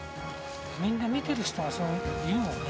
みんな見てる人がそう言うもんね。